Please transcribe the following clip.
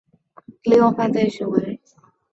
利用犯罪行为